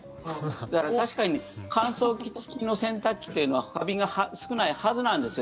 だから、確かに乾燥機付きの洗濯機というのはカビが少ないはずなんですよ